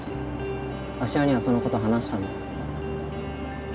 芦屋にはそのこと話したの？